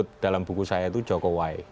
sebut dalam buku saya itu jokowi